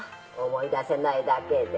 思い出せないだけで。